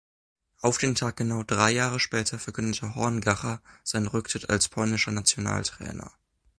Auf den Tag genau drei Jahre später verkündete Horngacher seinen Rücktritt als polnischer Nationaltrainer.